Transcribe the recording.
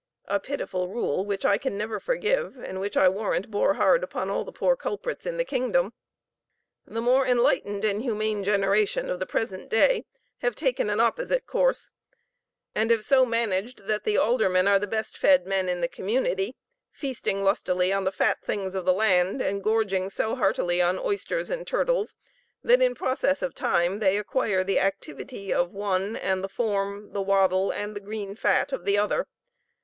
A pitiful rule which I can never forgive, and which I warrant bore hard upon all the poor culprits in the kingdom. The more enlightened and humane generation of the present day have taken an opposite course, and have so managed that the alderman are the best fed men in the community; feasting lustily on the fat things of the land, and gorging so heartily on oysters and turtles, that in process of time they acquire the activity of the one, and the form, the waddle, and the green fat of the other.